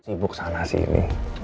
sibuk sana sih ini